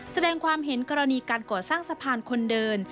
แสดงความเห็นกรณีการก่อสร้างสะพานคนเดิน